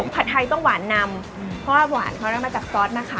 ผัดไทยต้องหวานนำเพราะว่าหวานเขาได้มาจากซอสนะคะ